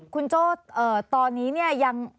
คุณโจ้ตอนนี้เนี่ยยัง